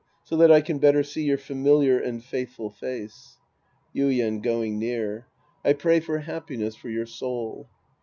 So that I can better see your familiar and faithful face. Yuien {going near). I pray for happiness for your soul.